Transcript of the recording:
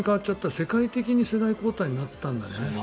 世界的に世代交代になったんだね。